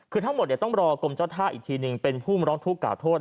คือทั้งหมดต้องรอกรมเจ้าท่าอีกทีหนึ่งเป็นผู้มาร้องทุกข่าโทษ